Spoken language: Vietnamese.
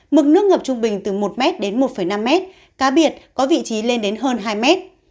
mực nước ngập trung bình từ một m đến một năm m cá biệt có vị trí lên đến hơn hai m